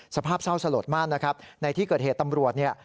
สภาพเศร้าสลดมากนะครับในที่เกิดเหตุตำรวจเนี่ย